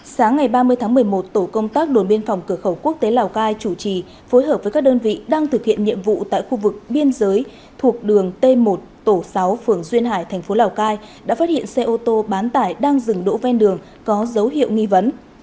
sáng ngày ba mươi tháng một mươi một tổ công tác đồn biên phòng cửa khẩu quốc tế lào cai chủ trì phối hợp với các đơn vị đang thực hiện nhiệm vụ tại khu vực biên giới thuộc đường t một tổ sáu phường duyên hải thành phố lào cai đã phát hiện xe ô tô bán tải đang dừng đỗ ven đường có dấu hiệu nghi vấn